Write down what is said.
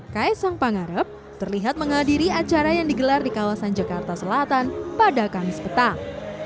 kaisang pangarep terlihat menghadiri acara yang digelar di kawasan jakarta selatan pada kamis petang